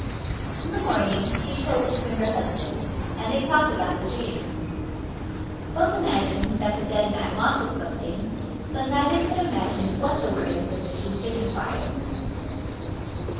In the morning she told this to her husband; and they talked about the dream. Both imagined that the dead man wanted something; but neither could imagine what the words of the vision signified.